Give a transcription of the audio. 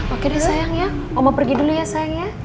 oke deh sayang ya oma pergi dulu ya sayang ya